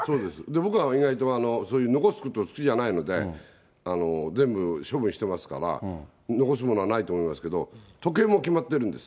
僕は意外と、そういう残すこと好きじゃないので、全部処分してますから、残すものはないと思いますけど、時計も決まってるんです。